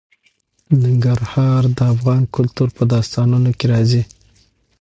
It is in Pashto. ننګرهار د افغان کلتور په داستانونو کې راځي.